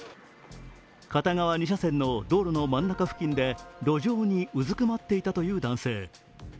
片側２車線の道路の真ん中付近で路上にうずくまっていたという男性。